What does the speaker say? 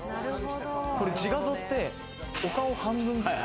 これ自画像ってお顔半分ずつ。